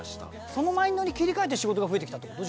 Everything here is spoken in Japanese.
そのマインドに切り替えて仕事が増えてきたってこと？